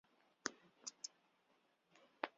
如今的明斋是清华大学社会科学学院的院馆。